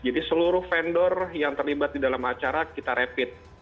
jadi seluruh vendor yang terlibat di dalam acara kita rapid